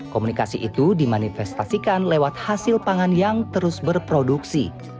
komunikasi itu dimanifestasikan lewat hasil pangan yang terus berproduksi